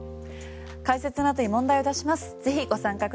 解説のあとに問題を出します。